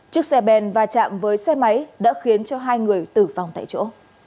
trước xe bèn và chạm với xe máy đã khiến hai người tử vong tại chỗ